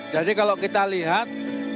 jadi kalau kita lihat